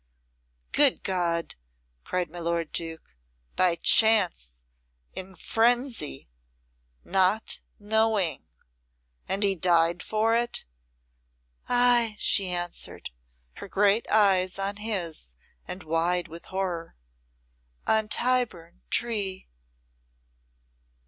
"Good God!" cried my lord Duke. "By chance! In frenzy! Not knowing! And he died for it?" "Ay," she answered, her great eyes on his and wide with horror, "on Tyburn Tree!"